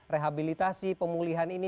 rehabilitasi pemulihan ini